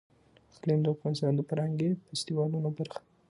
اقلیم د افغانستان د فرهنګي فستیوالونو برخه ده.